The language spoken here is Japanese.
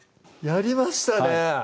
やりましたね